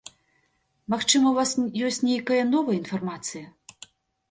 Магчыма, у вас ёсць нейкая новая інфармацыя?